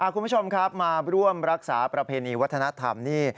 คุณผู้ชมครับมาร่วมรักษาประเพณีวัฒนธรรมนี่